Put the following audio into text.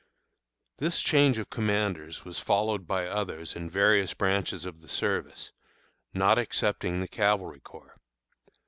This change of commanders was followed by others in various branches of the service, not excepting the Cavalry Corps.